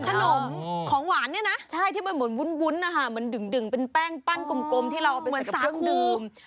ขนมของหวานเนี่ยนะใช่ที่มันเหมือนวุ้นนะคะเหมือนดึงเป็นแป้งปั้นกลมที่เราเอาไปซักดื่ม